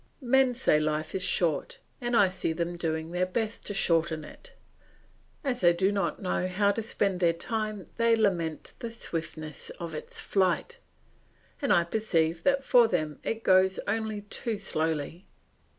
Men say life is short, and I see them doing their best to shorten it. As they do not know how to spend their time they lament the swiftness of its flight, and I perceive that for them it goes only too slowly.